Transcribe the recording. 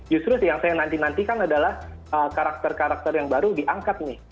justru yang saya nanti nantikan adalah karakter karakter yang baru diangkat nih